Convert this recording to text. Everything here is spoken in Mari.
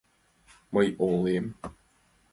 Мый ойлем.